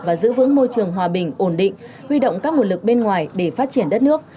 và giữ vững môi trường hòa bình ổn định huy động các nguồn lực bên ngoài để phát triển đất nước